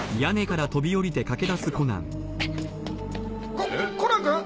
ココナン君！？